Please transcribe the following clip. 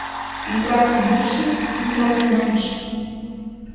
Ні краплі більше, ні краплі менше.